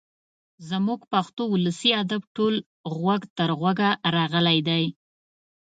زموږ پښتو ولسي ادب ټول غوږ تر غوږه راغلی دی.